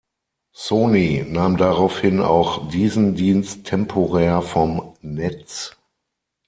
Sony nahm daraufhin auch diesen Dienst temporär vom Netz.